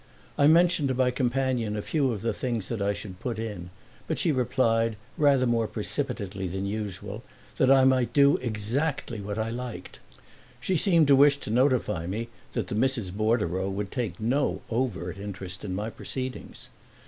I mentioned to my companion a few of the things that I should put in, but she replied rather more precipitately than usual that I might do exactly what I liked; she seemed to wish to notify me that the Misses Bordereau would take no overt interest in my proceedings.